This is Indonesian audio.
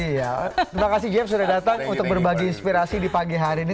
terima kasih jeff sudah datang untuk berbagi inspirasi di pagi hari ini